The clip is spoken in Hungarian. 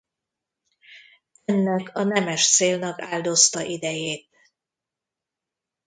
Ennek a nemes célnak áldozta idejét.